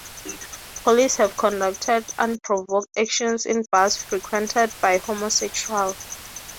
Police have conducted unprovoked actions in bars frequented by homosexuals.